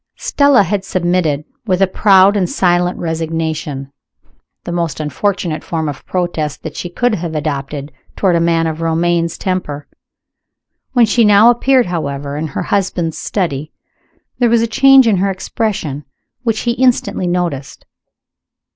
Stella had submitted with a proud and silent resignation the most unfortunate form of protest that she could have adopted toward a man of Romayne's temper. When she now appeared, however, in her husband's study, there was a change in her expression which he instantly noticed.